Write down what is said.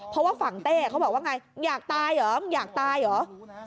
เพราะว่าฝั่งเต้เขาบอกว่าไงอยากตายเหรอมึงอยากตายเหรอ